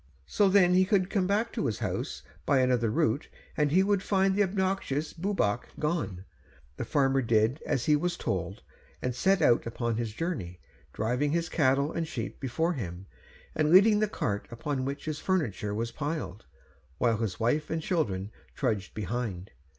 So then he could come back to his house by another route, and he would find the obnoxious Bwbach gone. The farmer did as he was told, and set out upon his journey, driving his cattle and sheep before him, and leading the cart upon which his furniture was piled, while his wife and children trudged behind.